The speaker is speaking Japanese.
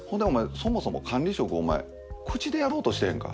そもそも管理職お前口でやろうとしてへんか？